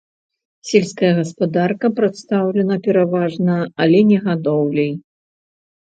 Сельская гаспадарка прадстаўлена пераважна аленегадоўляй.